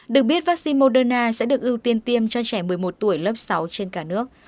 được biết vaccine moderna sẽ được ưu tiên tiêm cho trẻ một mươi một tuổi lớp sáu trên cả nước